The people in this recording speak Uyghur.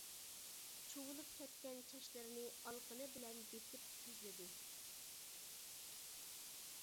چۇۋۇلۇپ كەتكەن چاچلىرىنى ئالىقىنى بىلەن بېسىپ تۈزلىدى.